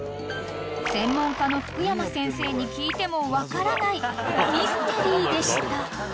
［専門家の福山先生に聞いても分からないミステリーでした］